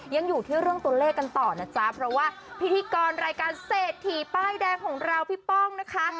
ยังอยู่ที่เรื่องตัวเลขกันต่อนะจ๊ะเพราะว่าพิธีกรรายการเศรษฐีป้ายแดงของเราพี่ป้องนะคะ